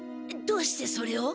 どうしてそれを？